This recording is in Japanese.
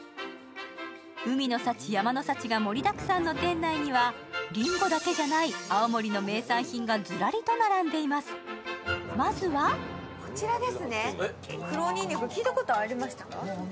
海の幸、山の幸が盛りだくさんの店内にはりんごだけじゃない青森の名産品がずらりと並んでいます、まずは名前ぐらいは。